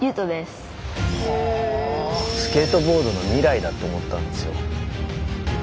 スケートボードの未来だって思ったんですよ。